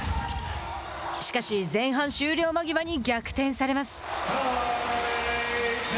しかし、前半終了間際に逆転されます。